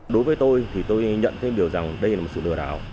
đối với tôi thì tôi nhận thêm điều rằng đây là một sự lừa đảo